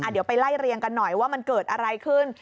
เดี๋ยวไปไล่เรียงกันหน่อยว่ามันเกิดอะไรขึ้น